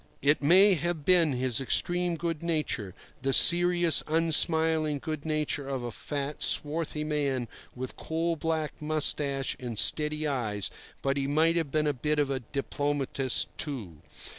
It may have been his extreme good nature, the serious, unsmiling good nature of a fat, swarthy man with coal black moustache and steady eyes; but he might have been a bit of a diplomatist, too.